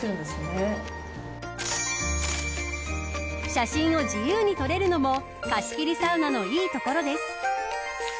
写真を自由に撮れるのも貸し切りサウナのいいところです。